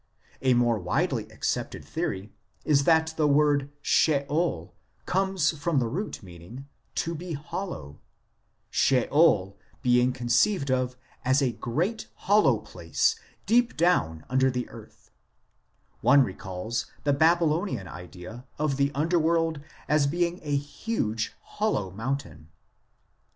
A more widely accepted theory is that the word Sheol comes from the root meaning " to be hollow," Sheol being conceived of as a great hollow place deep down under the earth ; one recalls the Babylonian idea of the under world as being a huge hollow mountain.